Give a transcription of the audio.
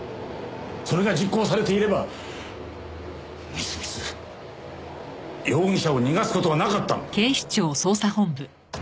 それが実行されていればみすみす容疑者を逃がす事はなかったのだ。